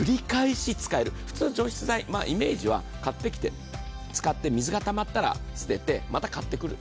普通、除湿剤のイメージは、買ってきて、使って、水がたまったら捨ててまた買ってくる。